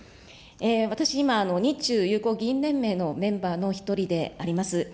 私、今、日中友好議員連盟のメンバーの１人であります。